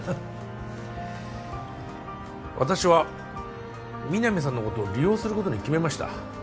私は皆実さんのことを利用することに決めました